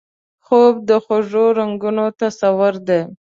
خوب د خوږو رنګونو تصور دی